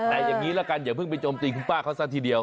แต่อย่างนี้ละกันอย่าเพิ่งไปโจมตีคุณป้าเขาซะทีเดียว